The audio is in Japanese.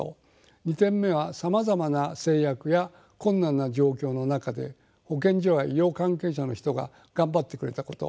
２点目はさまざまな制約や困難な状況の中で保健所や医療関係者の人ががんばってくれたこと。